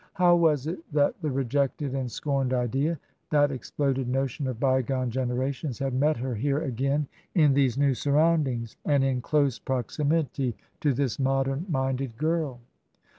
How was it that the rejected and scorned idea — ^that exploded notion of by gone generations !— had met her here again in these new surroundings, and in close proximity to this modem minded girl